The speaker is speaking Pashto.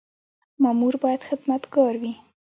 مامور باید خدمتګار وي